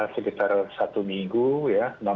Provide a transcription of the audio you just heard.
sekitar satu minggu ya